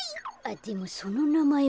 でもそのなまえ